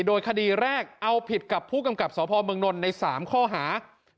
โดยคดีแรกเอาผิดกับผู้กำกับสพเมืองนนท์ใน๓ข้อหา